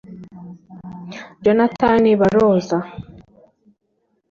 Jonathan Baroza